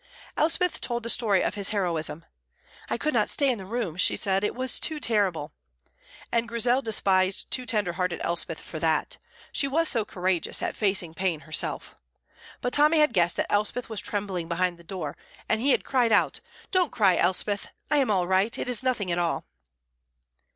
Elspeth told the story of his heroism. "I could not stay in the room," she said; "it was too terrible." And Grizel despised too tender hearted Elspeth for that; she was so courageous at facing pain herself. But Tommy had guessed that Elspeth was trembling behind the door, and he had called out, "Don't cry, Elspeth; I am all right; it is nothing at all."